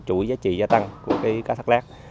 chủi giá trị gia tăng của cá thác lát